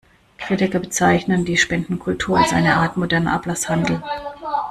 Kritiker bezeichnen die Spendenkultur als eine Art modernen Ablasshandel.